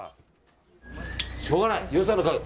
しょうがない、予算のため。